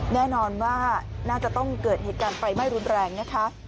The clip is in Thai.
แน่นอนว่าน่าจะต้องเกิดเหตุการณ์ไฟไหม้รุนแรงนะคะ